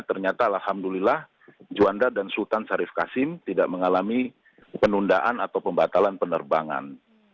ternyata alhamdulillah juanda dan sultan syarif kasim tidak mengalami penundaan atau pembatalan penerbangan